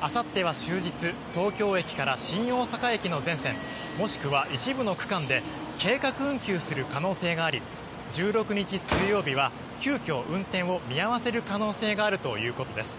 あさっては終日東京駅から新大阪駅の全線もしくは一部の区間で計画運休する可能性があり１６日、水曜日は急きょ、運転を見合わせる可能性があるということです。